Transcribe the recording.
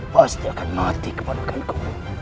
pasti akan mati kepadakanku